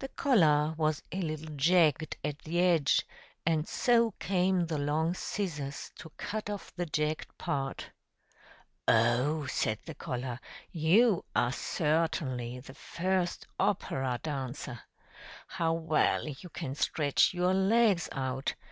The collar was a little jagged at the edge, and so came the long scissors to cut off the jagged part. "Oh!" said the collar. "You are certainly the first opera dancer. How well you can stretch your legs out!